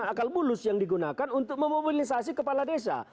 akal bulus yang digunakan untuk memobilisasi kepala desa